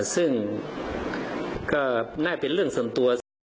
ซึ่งก็น่าเป็นเรื่องสำตัว